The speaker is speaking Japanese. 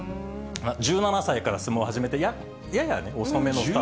１７歳から相撲始めて、やや遅めのスタート。